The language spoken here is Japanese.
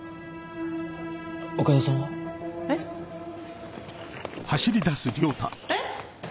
岡田さんは？えっ？えっ？